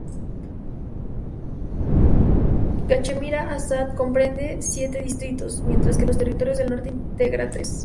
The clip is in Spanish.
Cachemira Azad comprende siete distritos, mientras que los Territorios del Norte integra seis.